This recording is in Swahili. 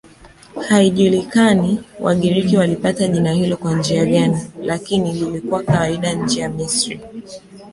Haijulikani Wagiriki walipata jina hilo kwa njia gani, lakini lilikuwa kawaida nje ya Misri.